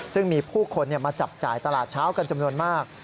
ซึ่งมีผู้คนมาจับจ่ายตลาดเช้ากันจำนวนมาก